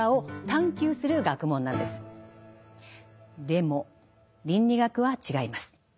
でも倫理学は違います。